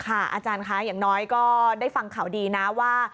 อาจารย์คะอย่างน้อยก็ได้ฟังข่าวดีนะว่า